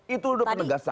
itu udah penegasan